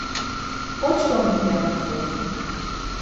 Oşǩomit, ya mitzu.